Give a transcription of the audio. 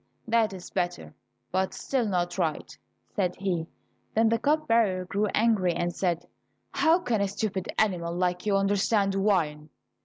"That is better, but still not right," said he. Then the cup bearer grew angry and said, "How can a stupid animal like you understand wine?"